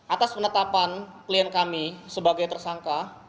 atas penetapan klien kami sebagai tersangka